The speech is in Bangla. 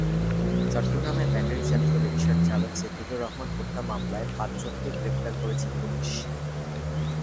চট্টগ্রামে ব্যাটারিচালিত রিকশার চালক সিদ্দিকুর রহমান হত্যা মামলায় পাঁচজনকে গ্রেপ্তার করেছে পুলিশ।